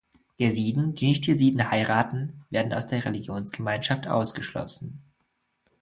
Jesiden, die Nicht-Jesiden heiraten, werden aus der Religionsgemeinschaft ausgeschlossen.